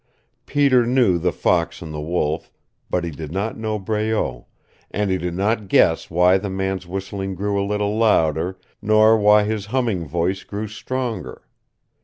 Peter knew the fox and the wolf, but he did not know Breault, and he did not guess why the man's whistling grew a little louder, nor why his humming voice grew stronger.